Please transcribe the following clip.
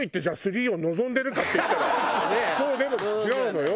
そうでも違うのよ。